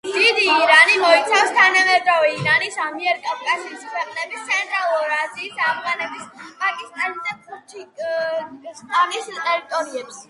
დიდი ირანი მოიცავს თანამედროვე ირანის, ამიერკავკასიის ქვეყნების, ცენტრალური აზიის, ავღანეთის, პაკისტანისა და ქურთისტანის ტერიტორიებს.